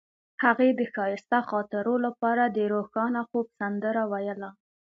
هغې د ښایسته خاطرو لپاره د روښانه خوب سندره ویله.